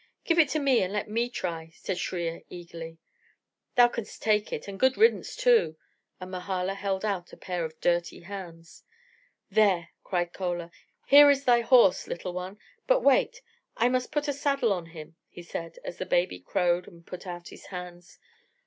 "Give it to me and let me try," said Shriya, eagerly. "Thou canst take it; and a good riddance, too," and Mahala held out a pair of dirty hands. "There!" cried Chola, "here is thy horse, little one; but wait, I must put a saddle on him," he said, as the baby crowed and put out his hands.